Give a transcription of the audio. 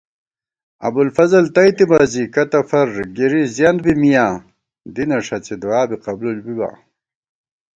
ابُوالفضل تئیتِبہ زی کتہ فَر گِری زیَنت بی مِیاں دینہ ݭڅی دُعا بی قبُول بِبا